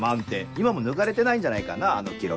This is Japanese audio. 今も抜かれてないんじゃないかなあの記録。